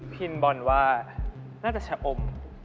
พินบอลว่าเนื้อเป็ดเช้าอม